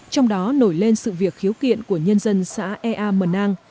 trong đó nổi lên sự việc khiếu kiện của nhân dân xã ea mờ nang